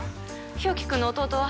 日沖君の弟は？